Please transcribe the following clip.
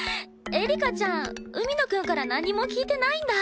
エリカちゃん海野くんから何も聞いてないんだ。